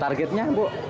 lima puluh targetnya bu